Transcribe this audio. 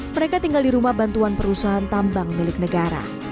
mereka tinggal di rumah bantuan perusahaan tambang milik negara